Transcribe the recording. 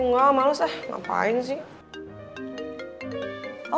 nggak males deh ngapain sih